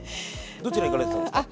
どちら行かれてたんですか？